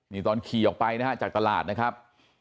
นี่ตอนขี่ออกไปนะฮะจากตลาดนะครับ